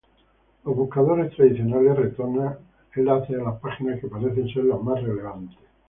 Los buscadores tradicionales retornar enlaces a las páginas que parecen ser las más relevantes.